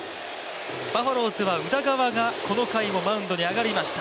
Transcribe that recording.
バファローズは宇田川がこの回もマウンドに上がりました。